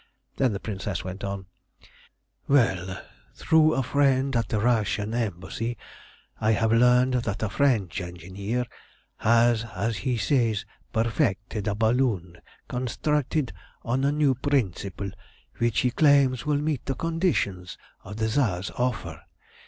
Then the Princess went on "Well, through a friend at the Russian Embassy, I have learnt that a French engineer has, as he says, perfected a balloon constructed on a new principle, which he claims will meet the conditions of the Tsar's offer.